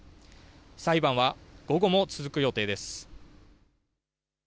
裁判は午後も続く予定です。